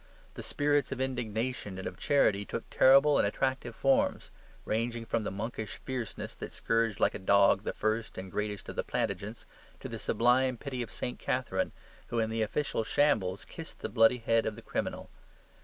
The spirits of indignation and of charity took terrible and attractive forms, ranging from that monkish fierceness that scourged like a dog the first and greatest of the Plantagenets, to the sublime pity of St. Catherine, who, in the official shambles, kissed the bloody head of the criminal.